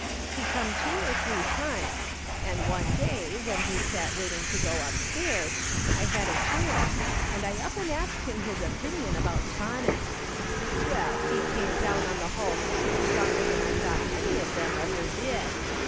He come two or three times, and one day, when he sat waiting to go upstairs, I had a chance, and I up and asked him his opinion about tonics. Well, he come down on the hull thing stronger than I thought any of them ever did.